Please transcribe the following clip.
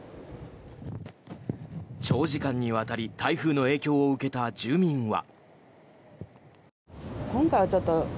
長時間にわたり台風の影響を受けた住民は。